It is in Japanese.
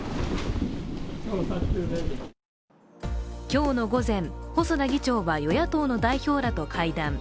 今日の午前、細田議長は与野党の代表らと会談。